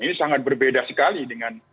ini sangat berbeda sekali dengan